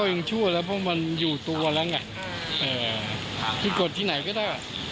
ถ้าจริงแล้วก็สมควรจะต้องอยู่หรือคะ